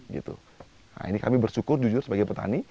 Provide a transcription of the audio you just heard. nah ini kami bersyukur jujur sebagai petani